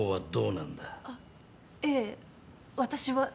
あっええ私は。